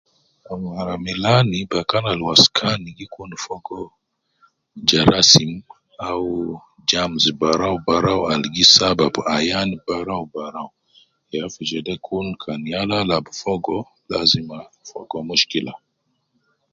Mara milani bakan ab waskan gi kun fogo jerasin au germs barau barau al gi sababu ayan barau barau ,ya fi jede kul kan yal gi alab fogo lazima fogo mushkila